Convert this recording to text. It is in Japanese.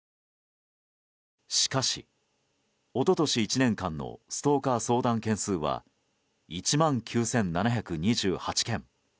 しかし、一昨年１年間のストーカー相談件数は１万９７２８件。